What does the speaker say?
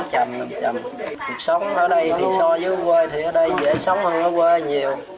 cuộc sống ở đây so với quê thì ở đây dễ sống hơn ở quê nhiều